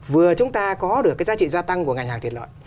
vừa chúng ta có được cái giá trị gia tăng của ngành hàng thịt lợn